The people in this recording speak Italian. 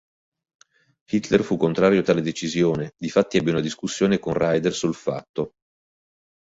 Hitler fu contrario a tale decisione, difatti ebbe una discussione con Raeder sul fatto.